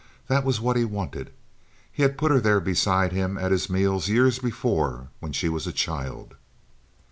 That was what he wanted. He had put her there beside him at his meals years before when she was a child.